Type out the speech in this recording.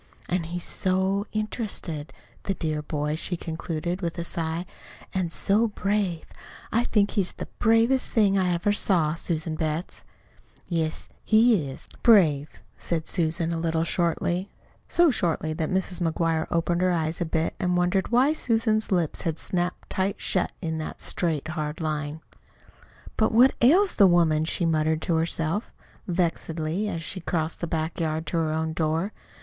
"An' he's so interested the dear boy!" she concluded, with a sigh. "An' so brave! I think he's the bravest thing I ever saw, Susan Betts." "Yes, he is brave," said Susan, a little shortly so shortly that Mrs. McGuire opened her eyes a bit, and wondered why Susan's lips had snapped tight shut in that straight, hard line. "But what ails the woman?" she muttered to herself, vexedly, as she crossed the back yard to her own door.